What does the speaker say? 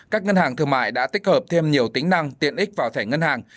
các ngân hàng thương mại đã tích hợp thêm nhiều tính năng tiện ích vào thẻ ngân hàng